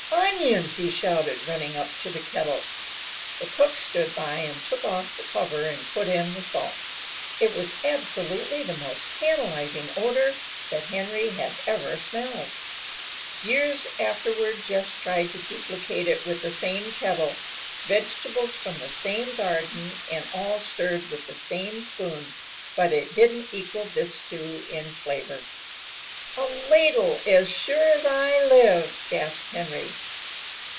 "Onions!" he shouted, running up to the kettle. The cook stood by and took off the cover and put in the salt. It was absolutely the most tantalizing odor that Henry had ever smelled. Years afterward Jess tried to duplicate it with the same kettle, vegetables from the same garden and all stirred with the same spoon, but it didn't equal this stew in flavor. "A ladle, as sure as I live!" gasped Henry.